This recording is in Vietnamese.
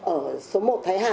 ở số một thái hà